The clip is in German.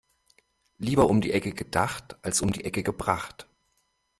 Lieber um die Ecke gedacht als um die Ecke gebracht.